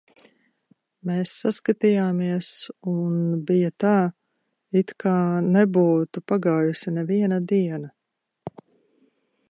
Mēs saskatījāmies, un bija tā, it kā nebūtu pagājusi neviena diena.